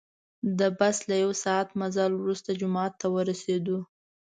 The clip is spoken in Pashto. د بس له یو ساعت مزل وروسته جومات ته ورسیدو.